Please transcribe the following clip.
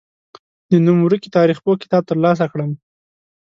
د نوم ورکي تاریخپوه کتاب تر لاسه کړم.